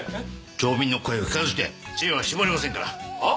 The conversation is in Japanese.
町民の声を聞かずして知恵は絞れませんからはぁ？